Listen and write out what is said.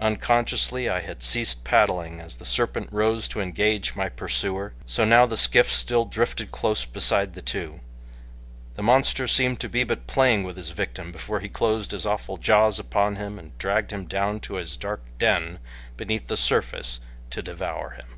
Unconsciously I had ceased paddling as the serpent rose to engage my pursuer, so now the skiff still drifted close beside the two. The monster seemed to be but playing with his victim before he closed his awful jaws upon him and dragged him down to his dark den beneath the surface to devour him.